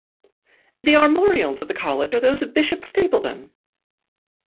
The armorials of the college are those of Bishop Stapledon.